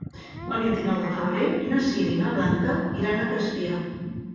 El vint-i-nou de febrer na Sira i na Blanca iran a Crespià.